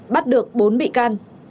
bắt được bốn bị can